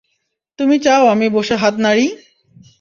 তুমি চাও আমি বসে হাত নাড়ি?